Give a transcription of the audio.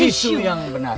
isu yang benar